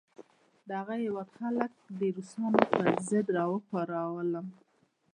د هغه هیواد خلک د روسانو پر ضد را پاروم.